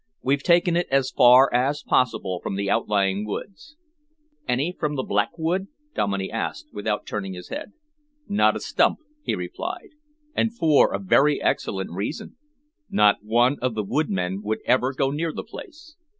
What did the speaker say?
We've taken it as far as possible from the outlying woods." "Any from the Black Wood?" Dominey asked, without turning his head. "Not a stump," he replied, "and for a very excellent reason. Not one of the woodmen would ever go near the place."